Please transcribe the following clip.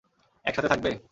এক সাথে থাকবে?